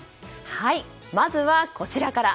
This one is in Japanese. まずは、こちらから。